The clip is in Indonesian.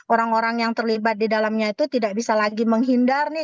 orang orang yang terlibat di dalamnya itu tidak bisa lagi menghindar nih